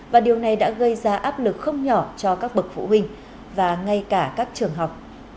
và điều này đã gây ra áp lực không nhỏ cho các bậc phụ huynh và ngay cả các trường học